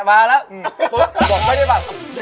มาแล้วบอกไม่ได้ป่ะ